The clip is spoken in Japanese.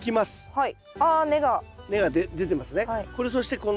はい。